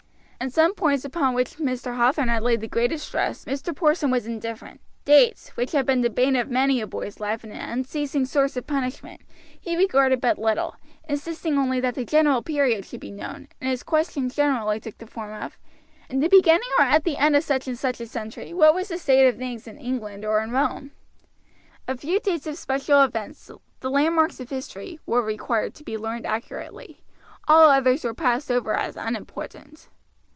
In some points upon which Mr. Hathorn had laid the greatest stress Mr. Porson was indifferent dates, which had been the bane of many a boy's life and an unceasing source of punishment, he regarded but little, insisting only that the general period should be known, and his questions generally took the form of, "In the beginning or at the end of such and such a century, what was the state of things in England or in Rome?" A few dates of special events, the landmarks of history, were required to be learned accurately, all others were passed over as unimportant.